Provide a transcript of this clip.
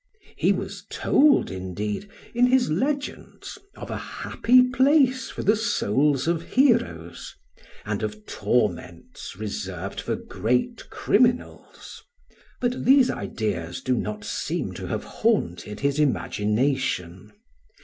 He was told indeed in his legends of a happy place for the souls of heroes, and of torments reserved for great criminals; but these ideas do not seem to have haunted his imagination.